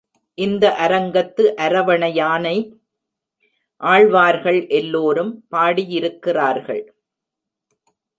இந்த அரங்கத்து அரவணையானை ஆழ்வார்கள் எல்லோரும் பாடியிருக்கிறார்கள்.